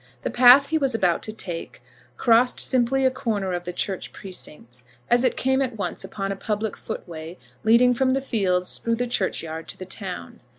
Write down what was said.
The path he was about to take crossed simply a corner of the church precincts, as it came at once upon a public footway leading from the fields through the churchyard to the town.